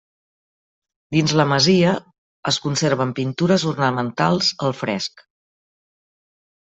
Dins la masia es conserven pintures ornamentals al fresc.